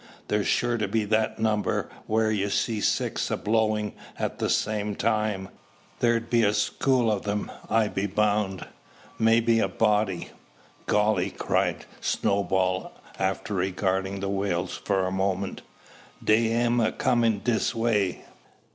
There's sure to be that number, whar you see six a blowin' at the same time. There be a `school' o' them, I be bound, maybe a `body.'" "Golly!" cried Snowball, after regarding the whales for a moment, "dey am a comin' dis way!"